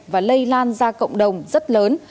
và lây lan ra cộng đồng rất lớn